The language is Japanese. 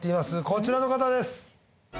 こちらの方です